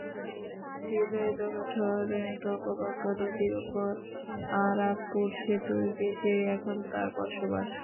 ঝিনাইদহ শহরে নবগঙ্গা নদীর ওপর আরাপপুর সেতুর নিচেই এখন তাঁর বসবাস।